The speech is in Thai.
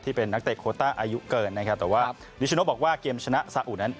เป็นนักเตะโคต้าอายุเกินนะครับแต่ว่านิชโนบอกว่าเกมชนะสาอุนั้น